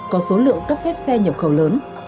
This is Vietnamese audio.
có số lượng cấp phép xe nhập khẩu lớn